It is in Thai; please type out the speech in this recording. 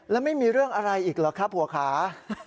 แล้วไม่มีเรื่องอะไรอีกเหรอครับหัวขา